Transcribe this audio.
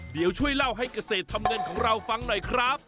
เดี๋ยวช่วยเล่าให้เกษตรทำเงินของเราฟังหน่อยครับ